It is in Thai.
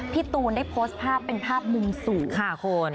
พี่ตูนได้โพสต์ภาพเป็นภาพมุมสูงค่ะคุณ